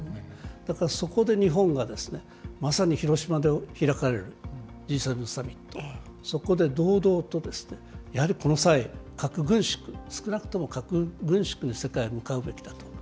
だからそこで日本がまさに広島で開かれるＧ７サミット、そこで堂々とやはりこの際、核軍縮、少なくとも核軍縮に世界向かうべきだと。